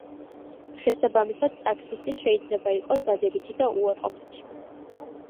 შესაბამისად ტაქსისი შეიძლება იყოს დადებითი და უარყოფითი.